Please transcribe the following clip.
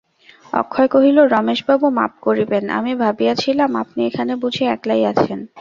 অক্ষয় কহিল, রমেশবাবু, মাপ করিবেন–আমি ভাবিয়াছিলাম, আপনি এখানে বুঝি একলাই আছেন।